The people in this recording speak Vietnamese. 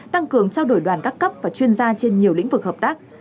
tăng cường trao đổi đoàn các cấp và chuyên gia trên nhiều lĩnh vực hợp tác